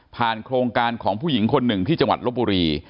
โครงการของผู้หญิงคนหนึ่งที่จังหวัดลบบุรี